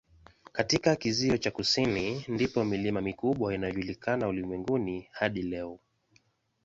Katika kizio cha kusini ndipo milima mikubwa inayojulikana ulimwenguni hadi leo.